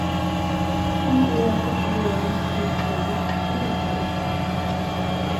Samma år fick Wurms australiskt medborgarskap.